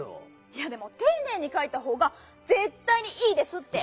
いやでもていねいにかいたほうがぜったいにいいですって！